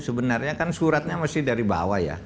sebenarnya kan suratnya masih dari bawah ya